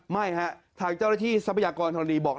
ไม่ฮะทางเจ้าหน้าที่ทรัพยากรธรณีบอก